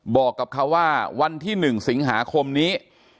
บอกกับเขาว่าวันที่๑สิงหาคมนี้